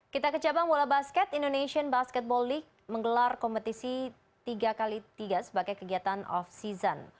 kita ke cabang bola basket indonesian basketball league menggelar kompetisi tiga x tiga sebagai kegiatan off season